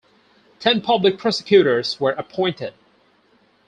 Ten public prosecutors were appointed.